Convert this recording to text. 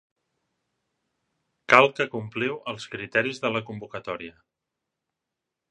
Cal que compliu els criteris de la convocatòria.